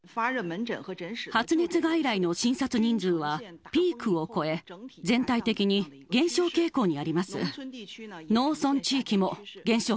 発熱外来の診察人数はピークを越え、全体的に減少傾向にあります。